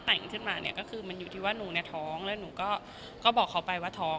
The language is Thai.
แต่งขึ้นมาเนี่ยก็คือมันอยู่ที่ว่าหนูเนี่ยท้องแล้วหนูก็บอกเขาไปว่าท้อง